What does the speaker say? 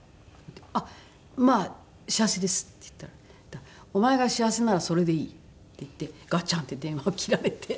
あっまあ幸せです」って言ったら「お前が幸せならそれでいい」って言ってガチャンって電話を切られて。